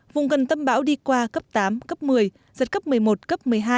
vùng gần tâm bão đi qua cấp tám cấp một mươi giật cấp một mươi một cấp một mươi hai